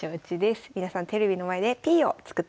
皆さんテレビの前でＰを作ってみてください。